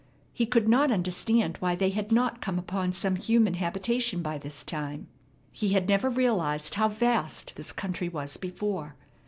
He could not understand why they had not come upon some human habitation by this time. He had never realized how vast this country was before.